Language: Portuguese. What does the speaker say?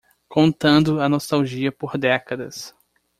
Contando a nostalgia por décadas